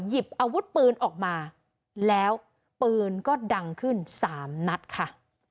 หยิบอาวุธปืนออกมาแล้วปืนก็ดังขึ้น๓นัดค่ะ